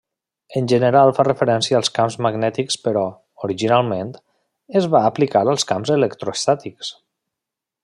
En general fa referència als camps magnètics però, originalment, es va aplicar als camps electroestàtics.